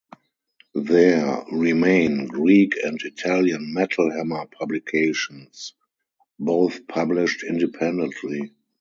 There remain Greek and Italian "Metalhammer" publications, both published independently.